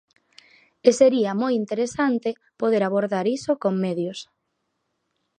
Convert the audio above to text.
E sería moi interesante poder abordar iso con medios.